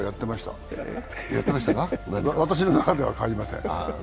わたしの中では変わりません。